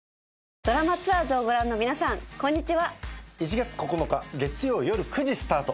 『ドラマツアーズ』をご覧の皆さんこんにちは。